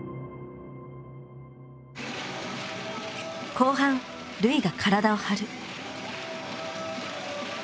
後半瑠唯が体を張る。